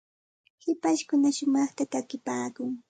hipashkuna shumaqta takipaakun.